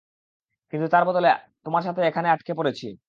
কিন্তু তার বদলে, তোমার সাথে এখানে আটকে পড়েছি।